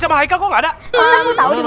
czyli aku selalu berbicara sama diri saya